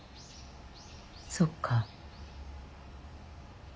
そっか。